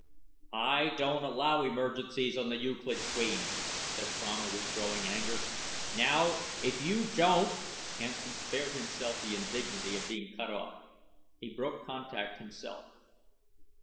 "I don't allow emergencies on the Euclid Queen," said Fromer with growing anger. "Now, if you don't " Hansen spared himself the indignity of being cut off. He broke contact himself.